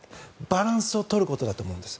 バランスを取ることだと思うんです。